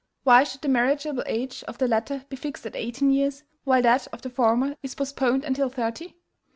Why should the marriageable age of the latter be fixed at eighteen years, while that of the former is postponed until thirty?